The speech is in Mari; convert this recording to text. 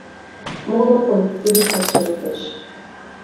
Моло огыл — кидыштак чыгылтеш.